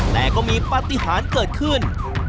แต่ก็มีปฏิหารเกิดขึ้น